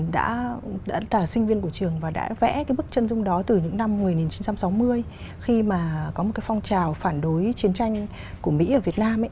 đã là sinh viên của trường và đã vẽ cái bức chân dung đó từ những năm một nghìn chín trăm sáu mươi khi mà có một cái phong trào phản đối chiến tranh của mỹ ở việt nam